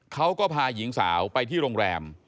เขาก็พาหญิงสาวไปที่โรงแรม